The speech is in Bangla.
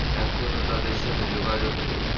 এখনই ওদের সাথে যোগাযোগ করছি।